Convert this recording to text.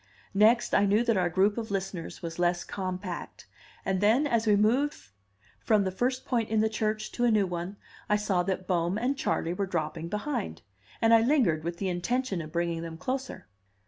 Next, I knew that our group of listeners was less compact; and then, as we moved from the first point in the church to a new one, I saw that Bohm and Charley were dropping behind, and I lingered, with the intention of bringing them closer.